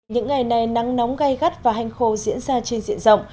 những ngày này nắng nóng gai gắt và hành khô diễn ra trên diện rộng